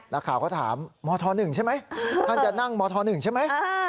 นักข่าวก็ถามมธ๑ใช่ไหมท่านจะนั่งมธ๑ใช่ไหม